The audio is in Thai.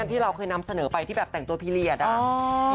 ที่เราเคยนำเสนอไปที่แบบแต่งตัวพีเรียสอะ